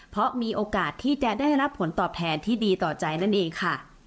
เพราะมีโอกาสที่จะได้รับผลตอบแทนที่ดีต่อใจนั่นเองค่ะ